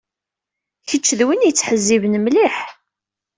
Kečč d win yettḥezziben mliḥ.